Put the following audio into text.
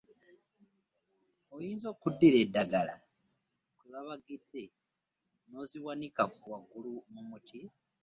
Oyinza okuddira endagala kwe babaagidde n’oziwanika waggulu mu muti.